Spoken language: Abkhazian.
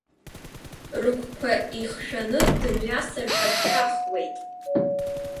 Рыгәқәа ихшәаны дымҩасыр ҳәа дшәахуеит.